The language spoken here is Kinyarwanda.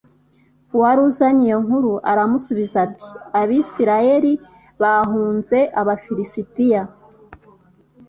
uwari uzanye iyo nkuru aramusubiza ati abisirayeli bahunze abafilisitiya